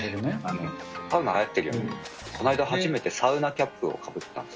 サウナはやってるよね、この間初めてサウナキャップをかぶったんです。